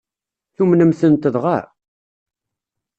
Tumnemt-tent dɣa?